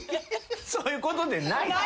そういうことでない。